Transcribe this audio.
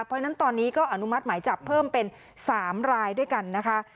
เพราะฉะนั้นตอนนี้ก็อนุมัติหมายจับเพิ่มเป็น๓รายด้วยกันนะคะ